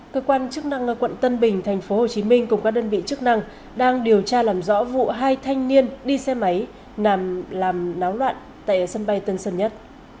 cơ quan chức năng quận tân bình tp hcm cùng các đơn vị chức năng đang điều tra làm rõ vụ hai thanh niên đi xe máy làm náo loạn tại sân bay tân sơn nhất